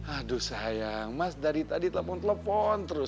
aduh sayang mas dari tadi telepon telepon terus